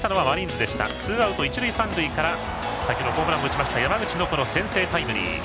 ツーアウト、二塁三塁から先ほどホームランを打ちました山口の先制タイムリー。